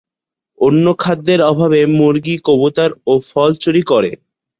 অন্য খাদ্যের অভাবে মুরগি-কবুতর ও ফল চুরি করে।